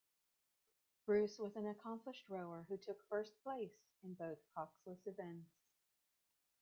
Bruce was an accomplished rower who took first place in both coxless events.